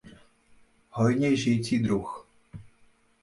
Hojně žijící druh.